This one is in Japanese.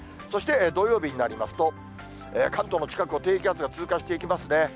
そして土曜日になりますと、関東の近くを低気圧が通過していきますね。